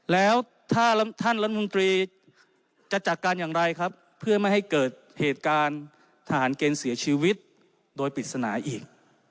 แล้วถ้าท่านรัฐมนตรีจะจัดการอย่างไรครับเพื่อไม่ให้เกิดเหตุการณ์ทหารเกณฑ์เสียชีวิตโดยปริศนาอีก